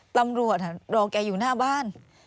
ตำรวจรอแกอยู่หน้าบ้าน